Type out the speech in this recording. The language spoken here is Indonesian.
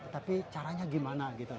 tapi caranya gimana gitu